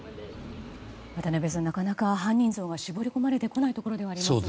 渡辺さん、なかなか犯人像が絞り込まれてこないところですが。